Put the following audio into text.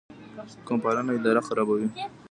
قوم پالنه اداره خرابوي